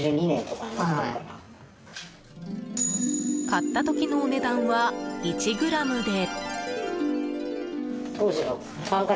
買った時のお値段は１ｇで。